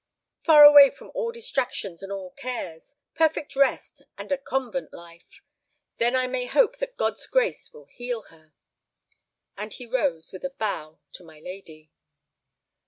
"Far away from all distractions and all cares. Perfect rest, and a convent life. Then I may hope that God's grace will heal her." And he rose with a bow to my lady.